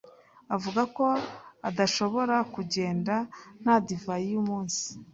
Avuga ko adashobora kugenda nta divayi n'umunsi.